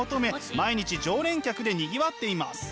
毎日常連客でにぎわっています。